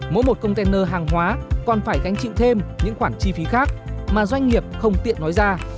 mỗi một container hàng hóa còn phải gánh chịu thêm những khoản chi phí khác mà doanh nghiệp không tiện nói ra